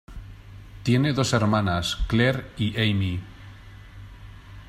Tiene dos hermanas, Claire y Amy.